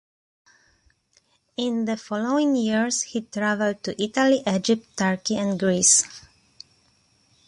In the following years he travelled to Italy, Egypt, Turkey and Greece.